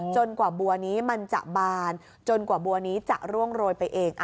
กว่าบัวนี้มันจะบานจนกว่าบัวนี้จะร่วงโรยไปเอง